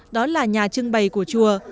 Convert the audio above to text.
đó là nhà trưng bày của chùa